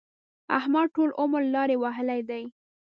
احمد ټول عمر لارې وهلې دي.